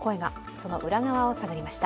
その裏側を探りました。